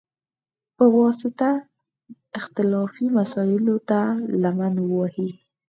په واسطه، اختلافي مسایلوته لمن ووهي،